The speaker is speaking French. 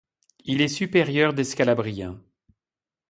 Il est supérieur des scalabriens.